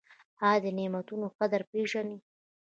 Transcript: ایا د نعمتونو قدر پیژنئ؟